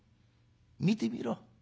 見てみろ。